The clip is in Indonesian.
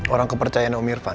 orang kepercayaan om irfan